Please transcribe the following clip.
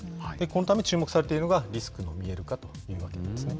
このため、注目されているのがリスクの見える化というわけなんですね。